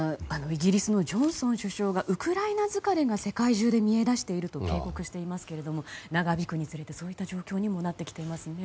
イギリスのジョンソン首相がウクライナ疲れが世界中で見え出していると警告していますが長引くにつれて、そういった状況にもなってきていますね。